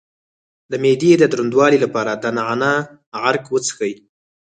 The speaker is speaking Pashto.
د معدې د دروندوالي لپاره د نعناع عرق وڅښئ